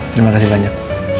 terima kasih banyak